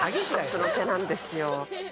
一つの手なんですよ。